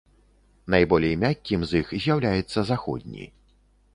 Найболей мяккім з іх з'яўляецца заходні.